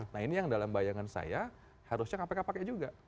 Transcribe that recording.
nah ini yang dalam bayangan saya harusnya kpk pakai juga